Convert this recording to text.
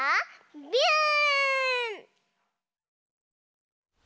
ビューン！